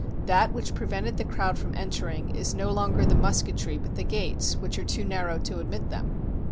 That which prevented the crowd from entering is no longer the mus ketry, but the gates, which are too narrow to admit them.